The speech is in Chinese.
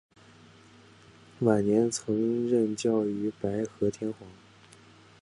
晚年曾任教于白河天皇。